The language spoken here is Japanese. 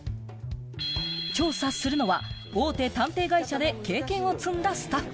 調査するのは大手探偵会社で経験を積んだスタッフ。